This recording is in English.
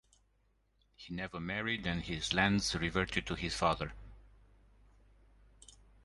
He never married and his lands reverted to his father.